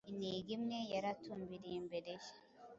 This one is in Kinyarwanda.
Intego imwe yari atumbiriye imbere ye